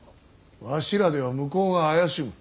わしらでは向こうが怪しむ。